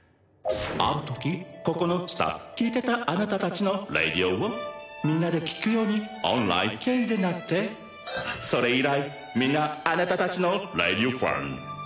あるときここのスタッフ聴いてたあなたたちのレディオをみんなで聴くようにオンライン経由でなってそれ以来みんなあなたたちのレディオファン。